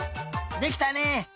できたね！